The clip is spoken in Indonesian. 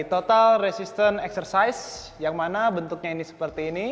total resistant exercise yang mana bentuknya ini seperti ini